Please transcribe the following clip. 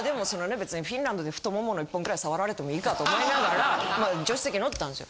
別にフィンランドで太ももの１本ぐらい触られてもいいかと思いながら助手席乗ったんですよ。